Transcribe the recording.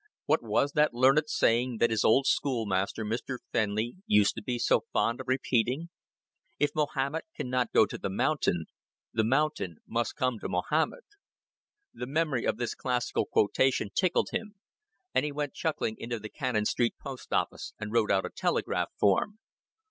What was that learned saying that his old schoolmaster, Mr. Fenley, used to be so fond of repeating? "If Mahomet can not go to the mountain, the mountain must come to Mahomet." The memory of this classical quotation tickled him, and he went chuckling into the Cannon Street post office and wrote out a telegraph form.